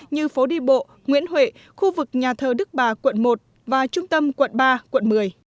như phố đi bộ nguyễn huệ khu vực nhà thờ đức bà quận một và trung tâm quận ba quận một mươi